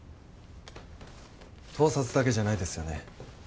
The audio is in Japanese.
盗撮だけじゃないですよね。